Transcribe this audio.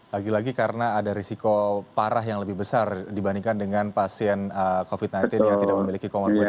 lagi lagi karena ada risiko parah yang lebih besar dibandingkan dengan pasien covid sembilan belas yang tidak memiliki comorbid